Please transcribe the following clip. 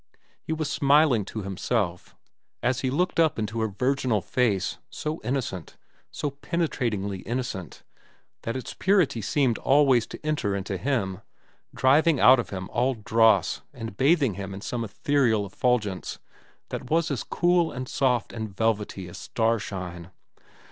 He was smiling to himself as he looked up into her virginal face, so innocent, so penetratingly innocent, that its purity seemed always to enter into him, driving out of him all dross and bathing him in some ethereal effulgence that was as cool and soft and velvety as starshine.